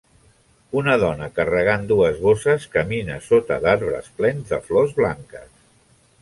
Una dona carregant dues bosses camina sota d'arbres plens de flors blanques.